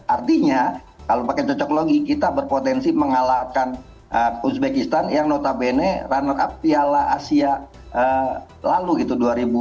artinya kalau pakai cocok logi kita berpotensi mengalahkan uzbekistan yang notabene runner up piala asia lalu gitu dua ribu dua puluh